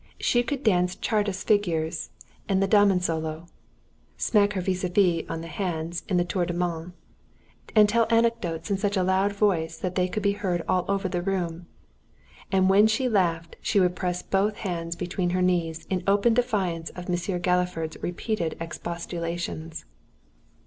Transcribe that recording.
She could dance csárdás figures in the Damensolo; smack her vis à vis on the hands in the tour de mains, and tell anecdotes in such a loud voice that they could be heard all over the room; and when she laughed she would press both hands between her knees in open defiance of Monsieur Galifard's repeated expostulations.